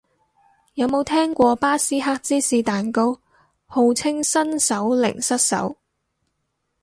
有冇聽過巴斯克芝士蛋糕，號稱新手零失手